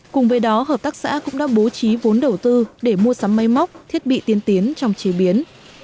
cùng với đó hợp tác xã cũng đã bố trí vốn đầu tư để mua sắm máy móc thiết bị tiên tiến trong chế biến